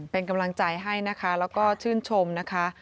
เป็นกำลังใจให้นะคะแล้วก็ชื่นชมนะคะ